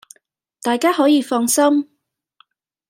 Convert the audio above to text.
大家可以放心！